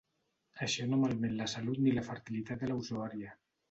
Això no malmet la salut ni la fertilitat de la usuària.